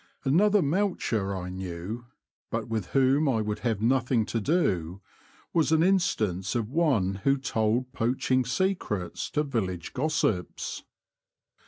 Another moucher I knew, • but with whom I would have nothing to % do, was an instance of one who told poaching secrets to village gossips.